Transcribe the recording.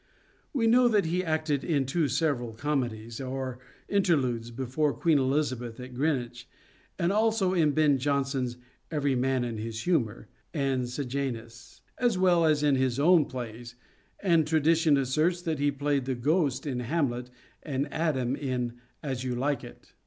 We know that he acted in two several comedies or interludes before Queen Elizabeth at Greenwich, and also in Ben Jonson's " Every Man in His Humour " and " Sejanus," as well as in his own plays, and tradition asserts that he played the Ghost in " Hamlet" and Adam in " As You Like It."